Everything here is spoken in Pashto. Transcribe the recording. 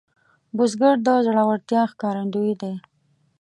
بزګر د زړورتیا ښکارندوی دی